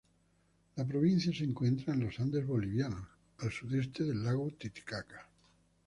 La provincia se encuentra en Los Andes bolivianos al sureste del lago Titicaca.